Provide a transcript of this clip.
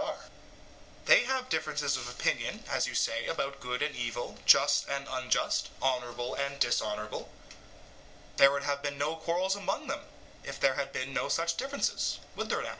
SOCRATES: They have differences of opinion, as you say, about good and evil, just and unjust, honourable and dishonourable: there would have been no quarrels among them, if there had been no such differences would there now?